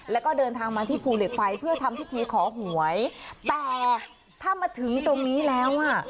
แล้วก็เดินทางมาที่ภูเหล็กไฟเพื่อทำพิธีขอหวยแต่ถ้ามาถึงตรงนี้แล้วอ่ะ